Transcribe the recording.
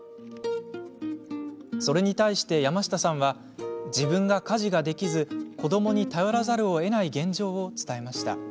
それに対して、山下さんは自分が家事ができず子どもに頼らざるをえない現状を伝えました。